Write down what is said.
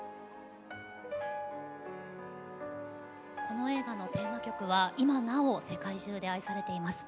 この映画のテーマ曲は今なお世界中で愛されています。